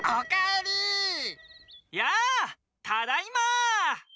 やあただいま！